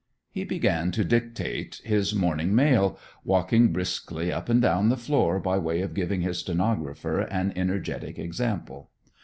He began to dictate his morning mail, walking briskly up and down the floor by way of giving his stenographer an energetic example.